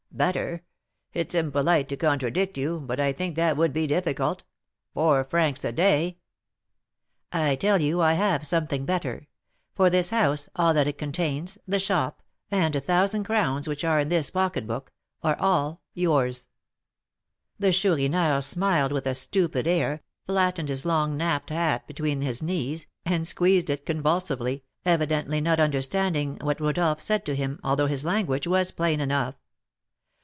"Better! It's unpolite to contradict you, but I think that would be difficult. Four francs a day!" "I tell you I have something better: for this house, all that it contains, the shop, and a thousand crowns which are in this pocketbook, all are yours." The Chourineur smiled with a stupid air, flattened his long napped hat between his knees, and squeezed it convulsively, evidently not understanding what Rodolph said to him, although his language was plain enough.